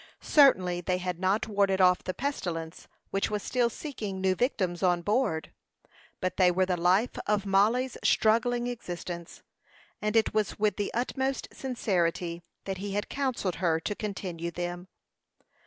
Certainly they had not warded off the pestilence, which was still seeking new victims on board. But they were the life of Mollie's struggling existence; and it was with the utmost sincerity that he had counselled her to continue them.